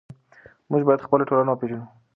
موږ باید خپله ټولنه وپېژنو.